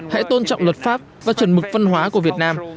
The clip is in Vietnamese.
hãy tôn trọng luật pháp và chuẩn mực văn hóa của việt nam